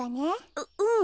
ううん。